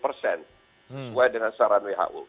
sesuai dengan saran who